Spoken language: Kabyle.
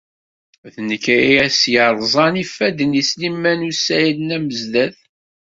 D nekk ay as-yerẓan ifadden i Sliman u Saɛid Amezdat.